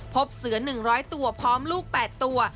พบเสือ๑๐๐ตัวพร้อมลูก๘ตัว